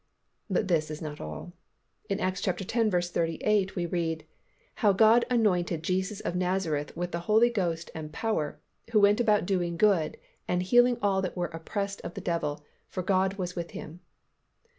But this is not all. In Acts x. 38 we read, "How God anointed Jesus of Nazareth with the Holy Ghost and power; who went about doing good, and healing all that were oppressed of the devil; for God was with Him."